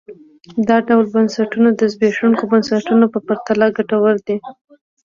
دا ډول بنسټونه د زبېښونکو بنسټونو په پرتله ګټور دي.